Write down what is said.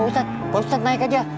ya pak ustaz naik saja